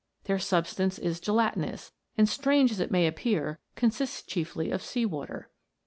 Their substance is gela tinous, and, strange as it may appear, consists chiefly of sea water.